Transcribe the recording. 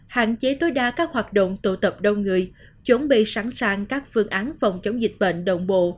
hạn chế tối đa các hoạt động tụ tập đông người chuẩn bị sẵn sàng các phương án phòng chống dịch bệnh đồng bộ